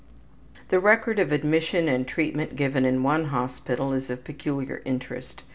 The record of admission and treatment given in one hospital is of peculiar interest.